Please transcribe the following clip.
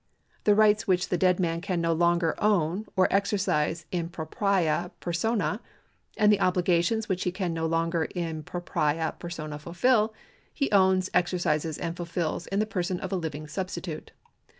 The rights which the dead man can no longer own or exercise in propria per sona, and the obligations which he can no longer m propria persona fulfil, he owns, exercises, and fulfils in the person of a living substitute.